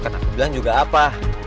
kan aku bilang juga apa